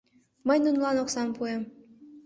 Мый нунылан оксам пуэм.